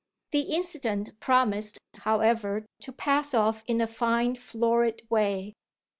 The incident promised, however, to pass off in a fine florid way.